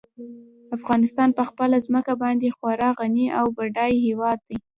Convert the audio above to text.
افغانستان په خپله ځمکه باندې خورا غني او بډای هېواد دی.